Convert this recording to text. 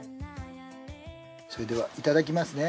それではいただきますね。